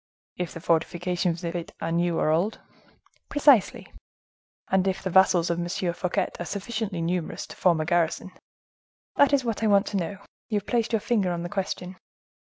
"If the fortifications of it are new or old?" "Precisely." "And if the vassals of M. Fouquet are sufficiently numerous to form a garrison?" "That is what I want to know; you have placed your finger on the question."